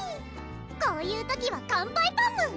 こういう時は乾杯パム！